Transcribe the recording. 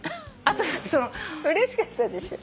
うれしかったでしょ？